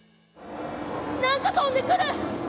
何か飛んでくる。